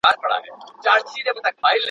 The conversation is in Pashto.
د شاګرد څېړونکي روزنه د استاد دنده ده.